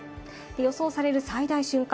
予想される最大瞬間